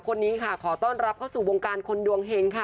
คนนี้ค่ะขอต้อนรับเข้าสู่วงการคนดวงเฮงค่ะ